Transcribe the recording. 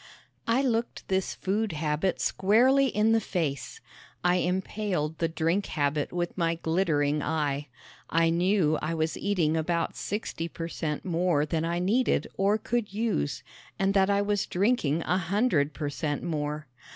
I looked this food habit squarely in the face. I impaled the drink habit with my glittering eye. I knew I was eating about sixty per cent more than I needed or could use, and that I was drinking a hundred per cent more.